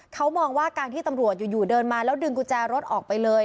เขามองว่าการที่ตำรวจอยู่เดินมาแล้วดึงกุญแจรถออกไปเลย